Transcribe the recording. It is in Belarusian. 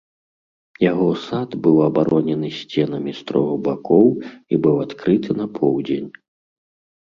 Яго сад быў абаронены сценамі з трох бакоў і быў адкрыты на поўдзень.